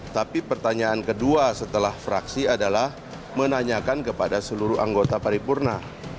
tapi pertanyaan kedua setelah fraksi adalah menanyakan kepada seluruh anggota paripurna